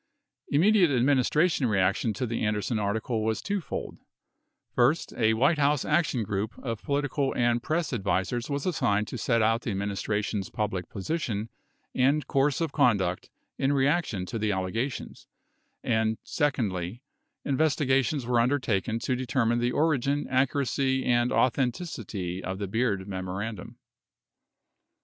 Immediate administration reaction to the Anderson article was twofold: (1) A White House action group of political and press ad visers was assigned to set out the administration's public position and course of conduct in reaction to the allegations and (2) investigations were undertaken to determine the origin, accuracy, and authenticity of the Beard memorandum.